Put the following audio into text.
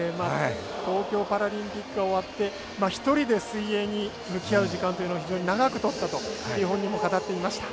東京パラリンピックが終わって、１人で水泳に向き合う時間というのを非常に長くとったと本人も語っていました。